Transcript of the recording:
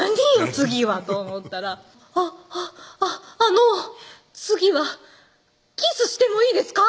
次はと思ったら「あっあっあっあの次はキスしてもいいですか？」